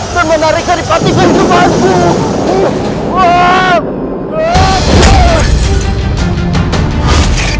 dan menarik dari patikan kembarku